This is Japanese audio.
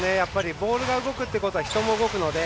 ボールが動くということは人も動くので。